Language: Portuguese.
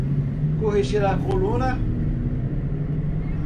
Corrigir a coluna